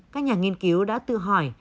các nhà nghiên cứu đã tự hỏi